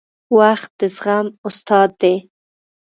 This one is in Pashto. • وخت د زغم استاد دی.